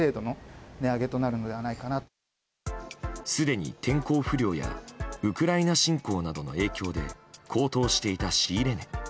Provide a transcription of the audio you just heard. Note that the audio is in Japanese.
すでに天候不良やウクライナ侵攻などの影響で高騰していた仕入れ値。